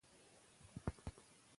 پلار مې راته نوی کتاب راوړ.